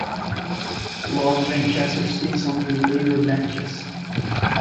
Lord Grantchester sits on the Labour benches.